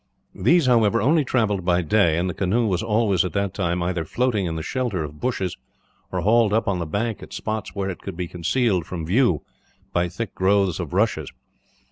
These, however, only travelled by day; and the canoe was always, at that time, either floating in the shelter of bushes, or hauled up on the bank at spots where it could be concealed from view by thick growths of rushes.